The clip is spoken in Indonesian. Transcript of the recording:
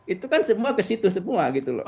itu kan semua ke situ semua gitu loh